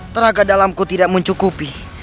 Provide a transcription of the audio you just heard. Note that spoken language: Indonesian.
tenaga dalamku tidak mencukupi